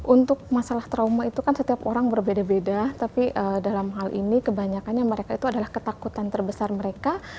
untuk masalah trauma itu kan setiap orang berbeda beda tapi dalam hal ini kebanyakannya mereka itu adalah ketakutan terbesar mereka